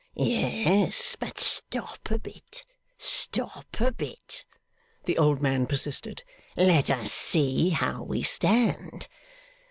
'Yes, but stop a bit, stop a bit,' the old man persisted. 'Let us see how we stand.